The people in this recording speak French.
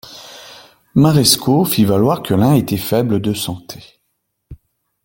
Marescot fit valoir que l'un était faible de santé.